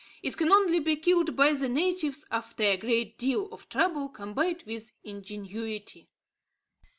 It can only be killed by the natives after a great deal of trouble combined with ingenuity.